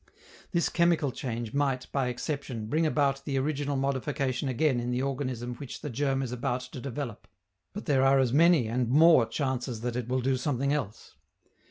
This chemical change might, by exception, bring about the original modification again in the organism which the germ is about to develop, but there are as many and more chances that it will do something else.